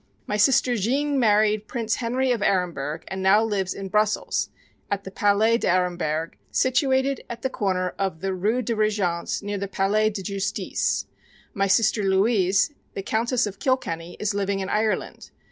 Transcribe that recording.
My sister Jeanne married Prince Henry of Aremberg, and now lives in Brussells at the Palais d'Aremberg, situated at the corner of the Rue de Regence near the Palais de Justice. My sister Louise, the Countess of Kilkenny, is living in Ireland.